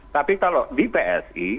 tapi kalau di psi